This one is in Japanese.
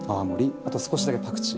あと少しだけパクチー。